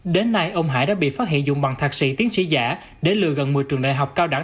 đến nay ông hải đã bị phát hiện dùng bằng thạc sĩ tiến sĩ giả để lừa gần một mươi trường đại học cao đẳng